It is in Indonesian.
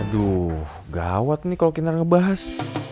aduh gawat nih kalau kita ngebahas